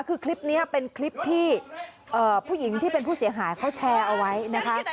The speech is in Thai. คือคลิปนี้เป็นคลิปที่ผู้หญิงที่เป็นผู้เสียหายเขาแชร์เอาไว้นะคะ